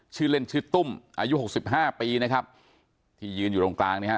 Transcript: ชื่อเล่นชื่อตุ้มอายุหกสิบห้าปีนะครับที่ยืนอยู่ตรงกลางนะฮะ